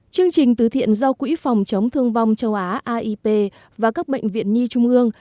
chương trình tứ thiện do quỹ phòng chống thương vong châu á aip và các bệnh viện nhi trung ương